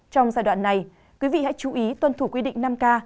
trong giai đoạn này quý vị hãy chú ý tuân thủ quy định năm k